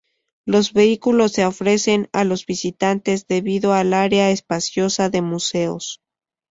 Los vehículos se ofrecen a los visitantes debido al área espaciosa de museos.